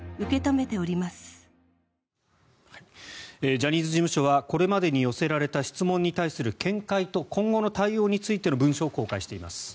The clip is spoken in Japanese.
ジャニーズ事務所はこれまでに寄せられた質問に対する見解と今後の対応についての文書を公開しています。